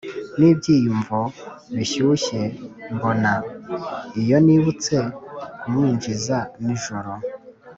nibyiyumvo bishyushye mbona, iyo nibutse kumwinjiza nijoro.